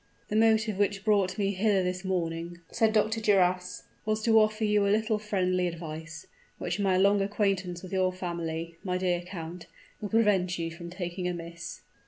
"The motive which brought me hither this morning," said Dr. Duras, "was to offer you a little friendly advice, which my long acquaintance with your family, my dear count, will prevent you from taking amiss."